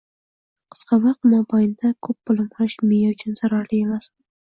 Qisqa vaqt mobaynida ko‘p bilim olish miya uchun zararli emasmi?